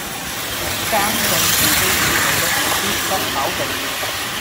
耕種自己田地的，必得飽食